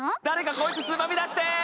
誰かこいつつまみ出して！